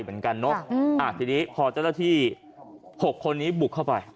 เหมือนกันเนอะทีนี้พอเจ้าหน้าที่๖คนนี้บุกเข้าไป